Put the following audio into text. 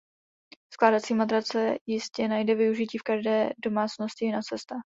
Skládací matrace jistě najde využití v každé domácnosti i na cestách.